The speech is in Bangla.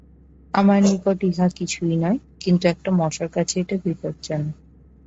আমার নিকট ইহা কিছুই নয়, কিন্তু একটা মশার কাছে এটা বিপজ্জনক।